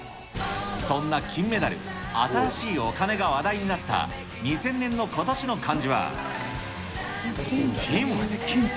そんな金メダル、新しいお金が話題になった、２０００年の今年の漢字は、金。